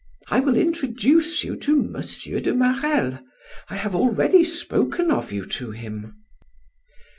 I will introduce you to M. de Marelle, I have already spoken of you to him."